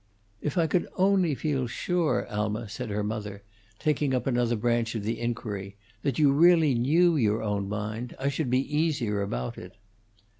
"If I could only feel sure, Alma," said her mother, taking up another branch of the inquiry, "that you really knew your own mind, I should be easier about it."